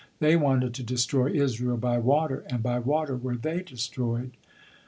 They wanted to destroy Israel by water, and by water were they destroyed."